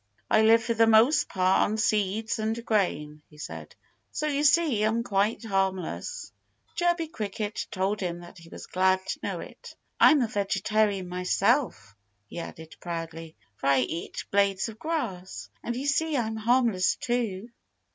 "I live for the most part on seeds and grain," he said. "So you see I'm quite harmless." Chirpy Cricket told him that he was glad to know it. "I'm a vegetarian myself," he added proudly, "for I eat blades of grass. And you see I'm harmless too."